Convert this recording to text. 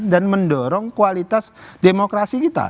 dan mendorong kualitas demokrasi kita